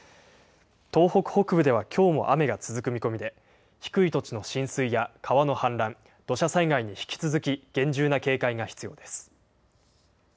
東北北部ではきょうも雨が続く見込みで、低い土地の浸水や川の氾濫、土砂災害に引き続き厳重な警戒が必要です。